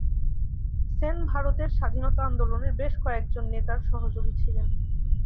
সেন ভারতের স্বাধীনতা আন্দোলনের বেশ কয়েকজন নেতার সহযোগী ছিলেন।